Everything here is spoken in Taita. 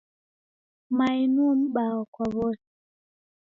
Mae nuo m'baa kwa w'ose.